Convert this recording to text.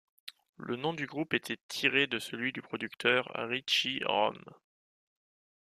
Le nom du groupe était tiré de celui du producteur Ritchie Rome.